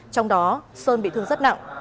trong đó sơn bị thương rất nặng